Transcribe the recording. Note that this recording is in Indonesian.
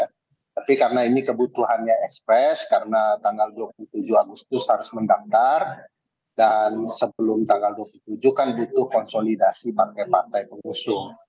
tapi karena ini kebutuhannya ekspres karena tanggal dua puluh tujuh agustus harus mendaftar dan sebelum tanggal dua puluh tujuh kan butuh konsolidasi partai partai pengusung